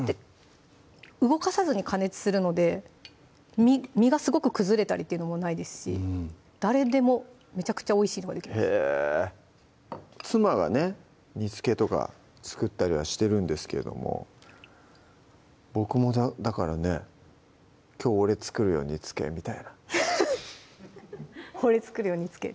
動かさずに加熱するので身がすごく崩れたりってのもないですし誰でもめちゃくちゃおいしいのができます妻がね煮つけとか作ったりはしてるんですけれども僕もだからね「きょう俺作るよ煮つけ」みたいな「俺作るよ煮つけ」